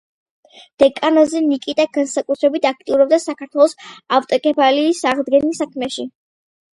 დეკანოზი ნიკიტა განსაკუთრებით აქტიურობდა საქართველოს ავტოკეფალიის აღდგენის საქმეში.